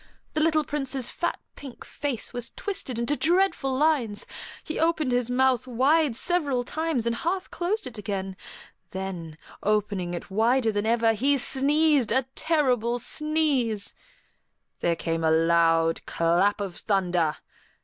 The little Prince's fat, pink face was twisted into dreadful lines; he opened his mouth wide several times and half closed it again; then, opening it wider than ever, he sneezed a terrible sneeze. There came a loud clap of thunder.